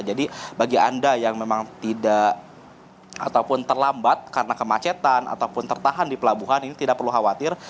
jadi bagi anda yang memang tidak ataupun terlambat karena kemacetan ataupun tertahan di pelabuhan ini tidak perlu khawatir